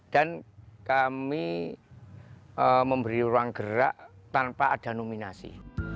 kami memberi ruang gerak tanpa ada nominasi